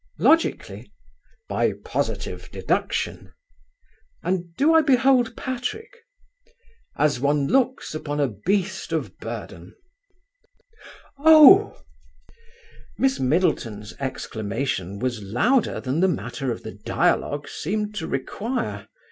"Logically?" "By positive deduction." "And do I behold Patrick?" "As one looks upon a beast of burden." "Oh!" Miss Middleton's exclamation was louder than the matter of the dialogue seemed to require.